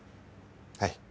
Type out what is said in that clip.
はい。